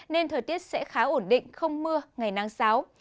nên thời tiết sẽ khá ổn định không mưa ngày nắng sáo